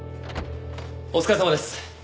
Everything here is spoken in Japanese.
お疲れさまです。